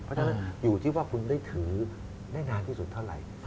เพราะฉะนั้นอยู่ที่ว่าคุณได้ถือได้นานที่สุดเท่าไหร่